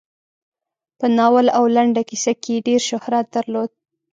په ناول او لنډه کیسه کې یې ډېر شهرت درلود.